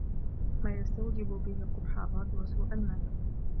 مَا يَسْتَوْجِبُ بِهِ قُبْحَ الرَّدِّ وَسُوءَ الْمَنْعِ